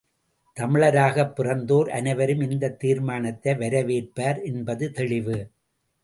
தமிழராகப் பிறந்தோர் அனைவரும் இந்தத் தீர்மானத்தை வரவேற்பர் என்பது தெளிவு.